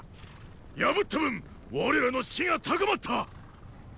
破った分我らの士気が高まった！